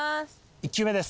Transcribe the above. １球目です。